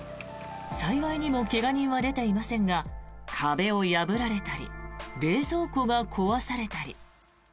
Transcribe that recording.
幸いにも怪我人は出ていませんが壁を破られたり冷蔵庫が壊されたり。